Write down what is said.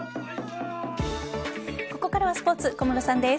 ここからはスポーツ小室さんです。